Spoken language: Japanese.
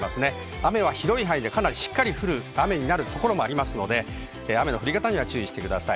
雨は広い範囲でしっかり降るところもありますので、雨の降り方に注意してください。